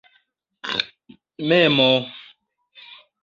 memo